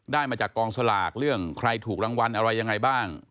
มาจากกองสลากเรื่องใครถูกรางวัลอะไรยังไงบ้าง